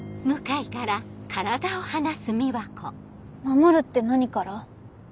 守るって何から？